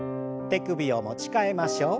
手首を持ち替えましょう。